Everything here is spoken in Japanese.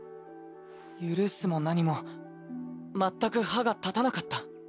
許すも何も全く歯が立たなかった。